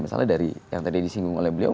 misalnya dari yang tadi disinggung oleh beliau